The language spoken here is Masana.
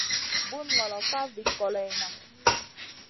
Bunu ŋolo ka vit kòleyna.